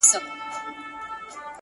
ځكه له يوه جوړه كالو سره راوتـي يــو ـ